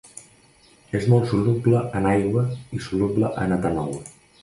És molt soluble en aigua i soluble en etanol.